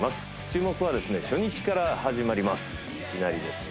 注目は初日から始まります